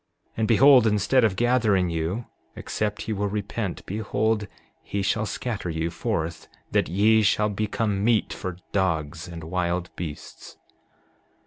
7:19 And behold, instead of gathering you, except ye will repent, behold, he shall scatter you forth that ye shall become meat for dogs and wild beasts.